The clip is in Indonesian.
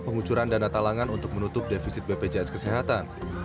pengucuran dana talangan untuk menutup defisit bpjs kesehatan